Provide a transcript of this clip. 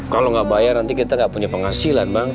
kalau gak bayar nanti kita gak punya penghasilan bang